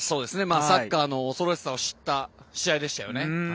サッカーの恐ろしさを知った試合でしたよね。